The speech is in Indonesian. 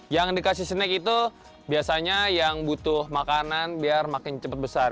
yang dikasih snack itu biasanya yang butuh makanan biar makin cepat besar